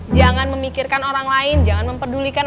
jangan memikirkan orang lain jangan mempedulikan